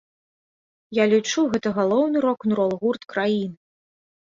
Я лічу, гэта галоўны рок-н-рол-гурт краіны.